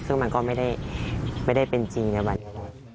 ซึ่งมันก็ไม่ได้เป็นจริงในวันนี้นะครับ